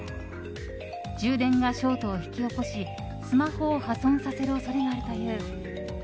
充電がショートを引き起こしスマホを破損させる恐れがあるという。